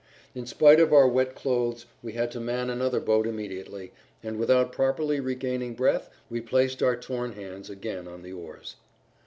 In spite of our wet clothes we had to man another boat immediately, and without properly regaining breath we placed our torn hands again on the oars.